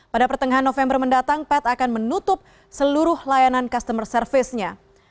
pada pertengahan november mendatang pad akan menutup seluruh layanan customer service nya